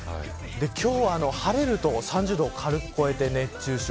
今日は晴れると３０度を軽く超えて熱中症。